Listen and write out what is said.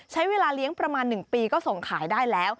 ใช้เวลาเลี้ยงประมาณ๑ปีก็ส่งขายได้แล้ว